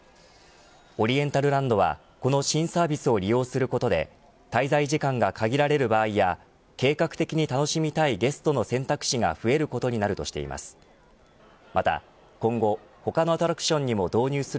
オリエンタルランドはこの新サービスを利用することで滞在時間が限られる場合や計画的に楽しみたいゲストの選択肢が増えることになるとしています。